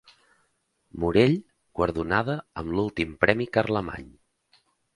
Morell, guardonada amb l'últim premi Carlemany.